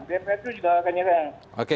depresi juga akan nyerang